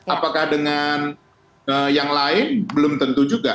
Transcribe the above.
apakah dengan yang lain belum tentu juga